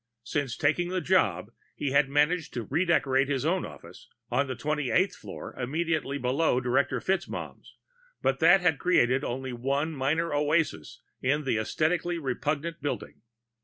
Since taking the job, he had managed to redecorate his own office on the twenty eighth floor, immediately below Director FitzMaugham's but that had created only one minor oasis in the esthetically repugnant building.